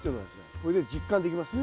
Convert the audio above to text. これで実感できますね。